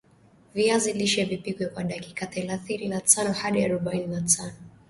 viazi lishe vipikwe kwa dakika thelathini na tano hadi arobaini na tano